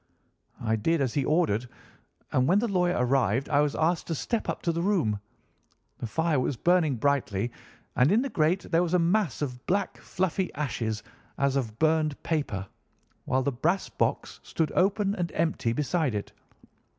"I did as he ordered, and when the lawyer arrived I was asked to step up to the room. The fire was burning brightly, and in the grate there was a mass of black, fluffy ashes, as of burned paper, while the brass box stood open and empty beside it.